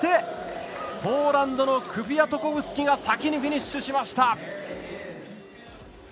ポーランドのクフィアトコフスキが先にフィニッシュしました。